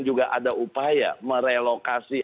juga ada upaya merelokasi